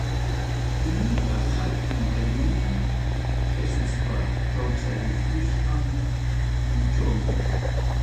Iñipa hatun rayminmi, Jesuspa kawsarikusqan punchawmi.